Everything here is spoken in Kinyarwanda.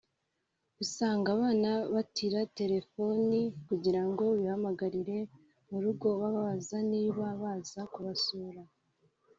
usanga abana batira telefoni kugirango bihamagarire mu rugo bababaze niba baza kubasura